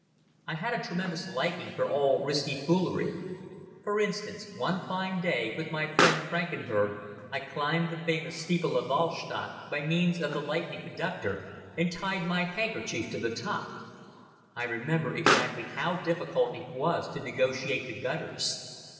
I had a tremendous liking for all risky foolery. For instance, one fine day, with my friend Frankenberg, I climbed the famous steeple of Wahlstatt by means of the lightning conductor and tied my handkerchief to the top. I remember exactly how difficult it was to negotiate the gutters.